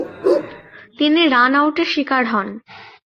তিনি রান-আউটের শিকার হন।